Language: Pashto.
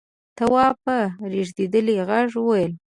تواب په رېږدېدلي غږ وويل: